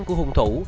của hung thủ